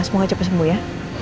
semoga cepat sembuh ya